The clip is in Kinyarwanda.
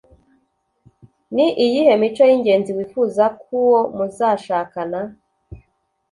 ni iyihe mico y’ingenzi wifuza k’uwo muzashakana